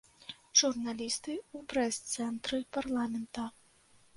Журналісты ў прэс-цэнтры парламента.